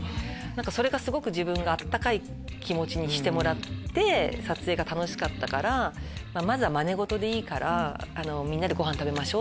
それがすごく自分が温かい気持ちにしてもらって撮影が楽しかったからまずはまね事でいいからみんなでご飯食べましょ！って。